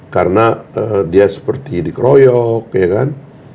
karena dia seperti dikeroyok ya kan